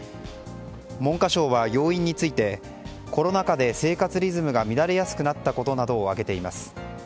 文科省は、要因についてコロナ禍で生活リズムが乱れやすくなったことなどを挙げています。